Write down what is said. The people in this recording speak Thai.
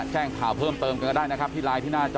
แจ้งข่าวเพิ่มเติมกันก็ได้นะครับที่ไลน์ที่หน้าจอ